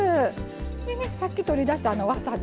でねさっき取り出したわさびですね